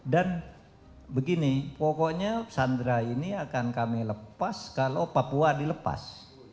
dan begini pokoknya sandra ini akan kami lepas kalau papua dilepas